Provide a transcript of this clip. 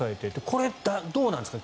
これ、どうなんですか。